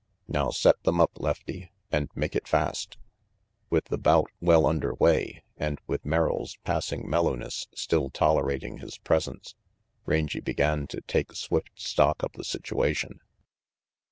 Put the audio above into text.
"Now set them up, Lefty, and make it fast." With the bout well under way and with Merrill's passing mellowness still tolerating his presence, Rangy began to take swift stock of the situation.